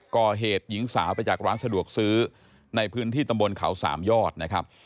ก่อเหตุหญิงสาวไปจากร้านสะดวกซื้อในพื้นที่ตำบลเขาสามยอดนะครับ